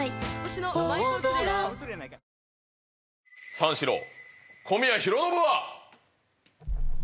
三四郎・小宮浩信は。